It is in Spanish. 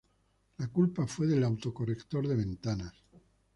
La culpa fue del autocorrector de ventanas